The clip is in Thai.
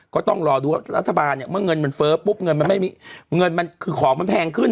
ก็ต้องรอดูว่ารัฐบาลเนี่ยเมื่อเงินมันเฟ้อปุ๊บเงินมันไม่มีเงินมันคือของมันแพงขึ้น